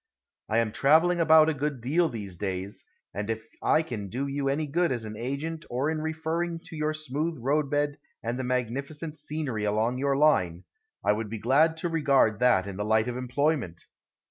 I am traveling about a good deal these days, and if I can do you any good as an agent or in referring to your smooth road bed and the magnificent scenery along your line, I would be glad to regard that in the light of employment.